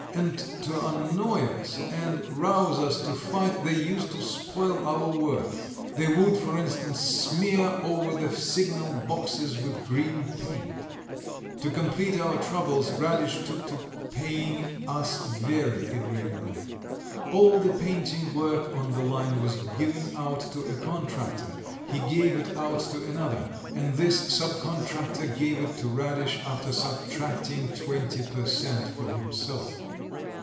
And to annoy us and rouse us to fight they used to spoil our work; they would, for instance, smear over the signal boxes with green paint. To complete our troubles, Radish took to paying us very irregularly. All the painting work on the line was given out to a contractor; he gave it out to another; and this subcontractor gave it to Radish after subtracting twenty per cent. for himself.